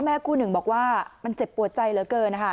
พ่อแม่กู้หนึ่งบอกว่ามันเจ็บปวดใจเหลือเกิน